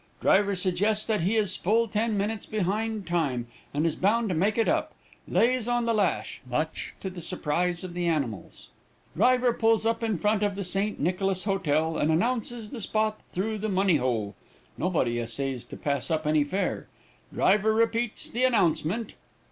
Driver suggests that he is full ten minutes behind time, and is bound to make it up. Lays on the lash, much to the surprise of the animals. Driver pulls up in front of the St. Nicholas Hotel, and announces the spot through the money hole. Nobody essays to pass up any fare. Driver repeats the announcement.